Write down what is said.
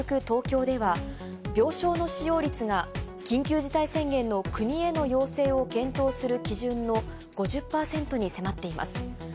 東京では、病床の使用率が緊急事態宣言の国への要請を検討する基準の５０％に迫っています。